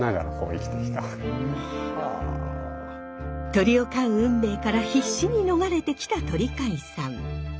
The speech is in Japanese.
鳥を飼う運命から必死に逃れてきた鳥飼さん。